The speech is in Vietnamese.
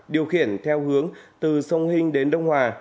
điều khiển theo hướng từ sông hinh đến đông hòa